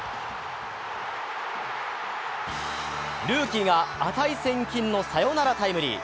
ルーキーが値千金のサヨナラタイムリー。